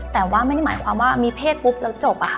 แต่ว่าไม่ได้หมายความว่ามีเพศปุ๊บแล้วจบอะค่ะ